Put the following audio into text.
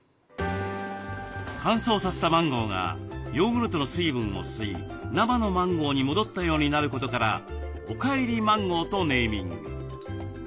乾燥させたマンゴーがヨーグルトの水分を吸い生のマンゴーに戻ったようになることから「おかえりマンゴー」とネーミング。